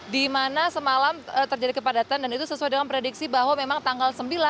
di mana semalam terjadi kepadatan dan itu sesuai dengan prediksi bahwa memang tanggal sembilan